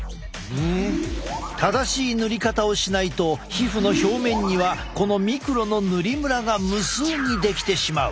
正しい塗り方をしないと皮膚の表面にはこのミクロの塗りムラが無数にできてしまう。